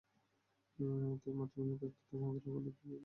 অতএব মঠের নিমিত্ত অর্থ সংগ্রহ করা ইত্যাদি কাহাকেও করিতে দিবে না।